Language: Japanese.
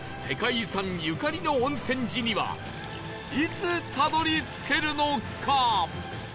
遺産ゆかりの温泉寺にはいつたどり着けるのか？